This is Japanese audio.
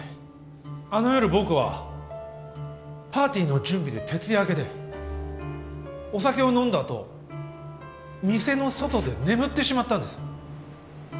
あの夜僕はパーティーの準備で徹夜明けでお酒を飲んだ後店の外で眠ってしまったんです。